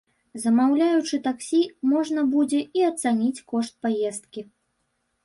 Замаўляючы таксі, можна будзе і ацаніць кошт паездкі.